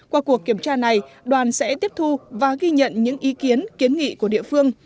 qua cuộc kiểm tra này đoàn sẽ tiếp thu và ghi nhận những ý kiến kiến nghị của địa phương